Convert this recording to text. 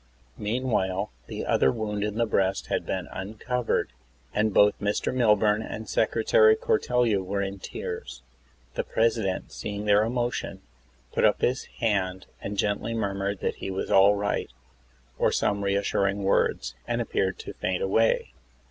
Meanwhile, the other wound in the breast had been uncovered and both Mr. Milburn and Secretary Coirtelyou were in tears. The President, seeing their emotion, put up his hand and gently murmured that he was all right, or some reassuring words, and appeared to faint away.